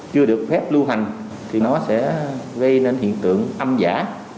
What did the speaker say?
chưa được phép lưu hành thì nó sẽ gây nên hiện tượng âm giả